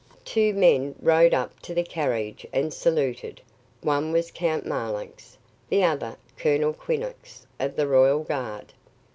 Two men rode up to the carriage and saluted. One was Count Marlanx, the other Colonel Quinnox, of the Royal Guard.